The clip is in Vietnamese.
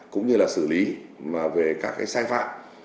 cũng như xử lý các sai phạm